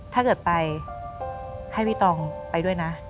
ถ้าเกิดไปให้พี่ตองไปด้วยนะ